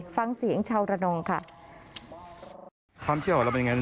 ฟังเสียงชาวระนองค่ะความเชื่อของเราเป็นยังไง